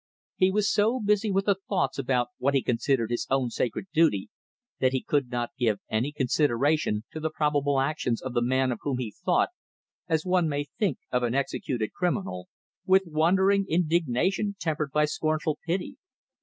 He was so busy with the thoughts about what he considered his own sacred duty, that he could not give any consideration to the probable actions of the man of whom he thought as one may think of an executed criminal with wondering indignation tempered by scornful pity.